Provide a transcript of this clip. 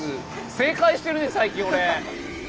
正解してるね最近俺！